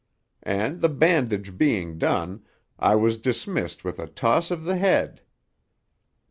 And the bandage being done, I was dismissed with a toss of the head.